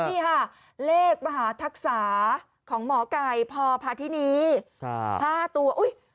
นี่ค่ะเลขมหาธักษาของหมอกัยพอพาธินี๕ตัว